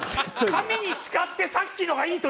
神に誓ってさっきの方がいいよ。